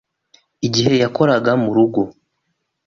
igihe yakoreraga mu rugo,